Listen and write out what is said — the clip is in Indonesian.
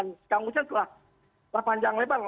sekarang mungkin sudah berpanjang lebar